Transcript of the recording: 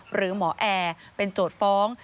หรือหมอแอร์เป็นโจทย์ฟ้อง